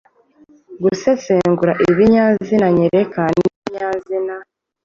Gusesengura ibinyazina nyereka n’ibinyazina